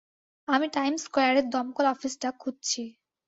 আমি টাইম স্কয়ারের দমকল অফিসটা খুঁজছি।